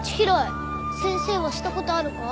先生はしたことあるか？